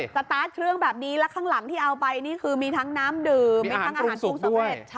สตาร์ทเครื่องแบบนี้และข้างหลังที่เอาไปนี่คือมีทั้งน้ำดื่มมีทั้งอาหารปรุงสำเร็จ